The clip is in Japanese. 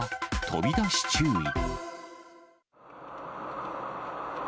飛び出し注意。